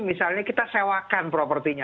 misalnya kita sewakan propertinya